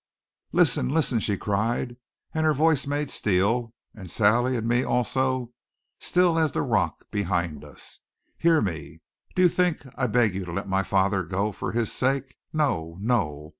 "Listen! Listen!" she cried, and her voice made Steele, and Sally and me also, still as the rock behind us. "Hear me! Do you think I beg you to let my father go, for his sake? No! No!